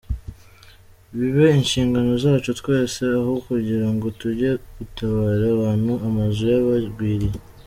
Bibe inshingano zacu twese aho kugira ngo tujye gutabara abantu amazu yabagwiriye.